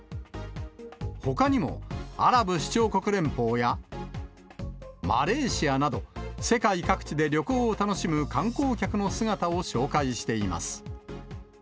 ほかにも、アラブ首長国連邦やマレーシアなど、世界各地で旅行を楽しむ観光客の姿を紹介しています。